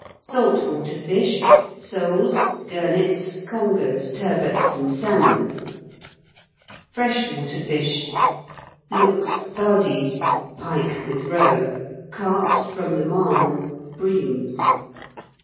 "Salt Water Fish. Soles, gurnets, congers, turbots, and salmon. "Fresh Water Fish. Lux faudis (pike with roe), carps from the Marne, breams.